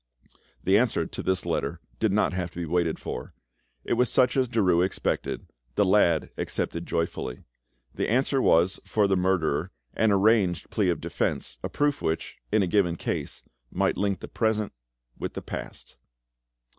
The answer to this letter did not have to be waited for: it was such as Derues expected; the lad accepted joyfully. The answer was, for the murderer, an arranged plea of defence, a proof which, in a given case, might link the present with the past.